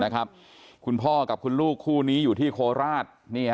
คุณพ่อกับคุณลูกคู่นี้อยู่ที่โคราช